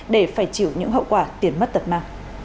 để phải chịu những hậu quả tiền mất tật mạng